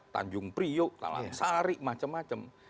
tanjung priok talang sari macem macem